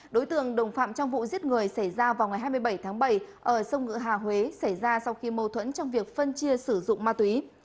đối tượng đồng phạm trong vụ giết người xảy ra vào ngày hai mươi bảy tháng bảy ở sông ngựa hà huế xảy ra sau khi mâu thuẫn trong việc phân chia sử dụng ma túy